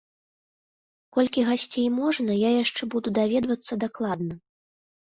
Колькі гасцей можна, я яшчэ буду даведвацца дакладна.